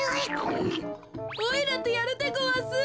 おいらとやるでごわす。